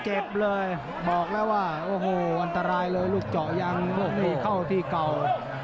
เจ็บเลยบอกแล้วว่าโอ้โหอันตรายเลยลูกเจาะยังเข้าที่เก่า